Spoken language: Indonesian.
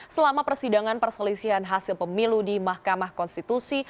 selama persidangan perselisihan hasil pemilu di mahkamah konstitusi